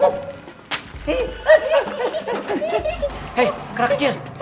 eh kera kecil